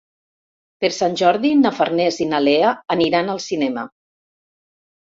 Per Sant Jordi na Farners i na Lea aniran al cinema.